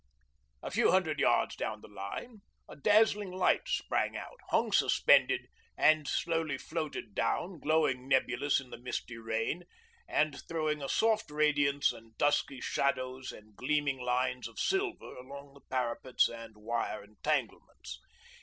A few hundred yards down the line, a dazzling light sprang out, hung suspended, and slowly floated down, glowing nebulous in the misty rain, and throwing a soft radiance and dusky shadows and gleaming lines of silver along the parapets and wire entanglements.